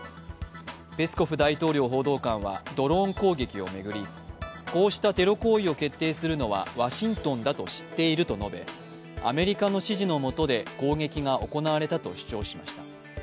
ペスコフ大統領報道官はドローン攻撃を巡り、こうしたテロ行為を決定するのはワシントンだと知っていると述べアメリカの指示のもとで攻撃が行われたと主張しました。